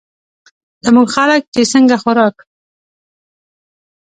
زمونږ خلک چې څنګه خوراک